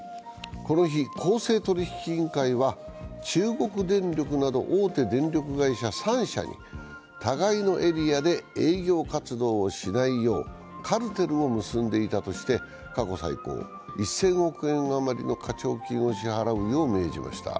この日、公正取引委員会は中国電力など大手電力会社３社に互いのエリアで営業活動をしないようカルテルを結んでいたとして過去最高１０００億円余りの課徴金を支払うよう命じました。